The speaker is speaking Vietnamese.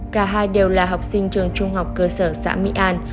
cả hai đều là học sinh trường trung học cơ sở xã mỹ an